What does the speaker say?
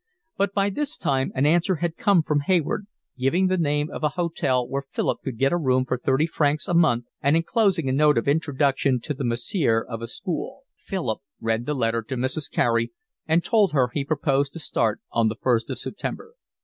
But by this time an answer had come from Hayward, giving the name of a hotel where Philip could get a room for thirty francs a month and enclosing a note of introduction to the massiere of a school. Philip read the letter to Mrs. Carey and told her he proposed to start on the first of September.